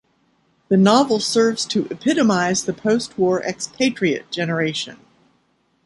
The novel serves to epitomize the post-war expatriate generation.